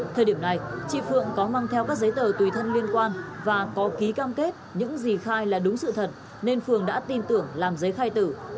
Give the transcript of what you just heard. thời điểm này chị phượng có mang theo các giấy tờ tùy thân liên quan và có ký cam kết những gì khai là đúng sự thật nên phượng đã tin tưởng làm giấy khai tử